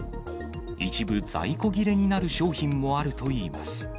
一部、在庫切れになる商品もあるといいます。